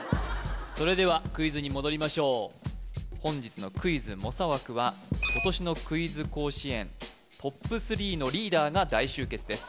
それではクイズに戻りましょう本日のクイズ猛者枠は今年のクイズ甲子園トップ３のリーダーが大集結です